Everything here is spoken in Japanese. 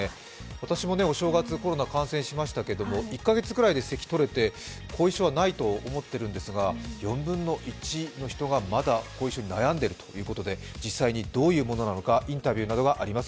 私もお正月、コロナ、感染しましたけれども、１か月くらいでせきがとれて、後遺症はないと思ってるんですが４分の１の人がまだ後遺症に悩んでいるということで実際にどういうものなのかインタビューなどがあります。